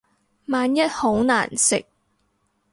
萬一好難食